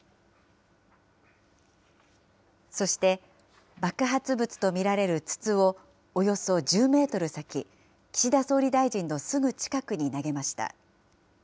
そして爆発物と見られる筒を、およそ１０メートル先、岸田総理大臣のすぐ近くに投げました。